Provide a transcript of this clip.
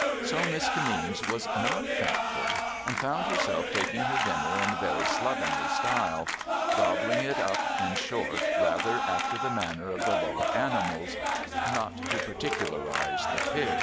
So, Miss Kimmeens was not thankful, and found herself taking her dinner in very slovenly style— gobbling it up, in short, rather after the manner of the lower animals, not to particularise the pigs.